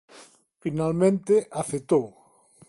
Finalmente aceptou.